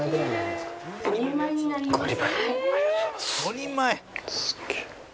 すげえ。